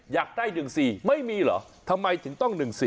อยากได้๑๔ไม่มีเหรอทำไมถึงต้อง๑๔